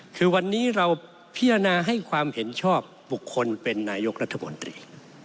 คือวันนี้เราพิจารณาให้ความเห็นชอบบุคคลเป็นนายกรัฐมนตรี